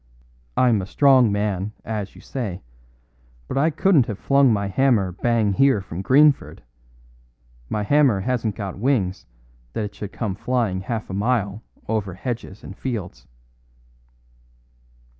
I'm a strong man, as you say, but I couldn't have flung my hammer bang here from Greenford. My hammer hasn't got wings that it should come flying half a mile over hedges and fields."